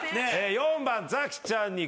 ４番ザキちゃんに。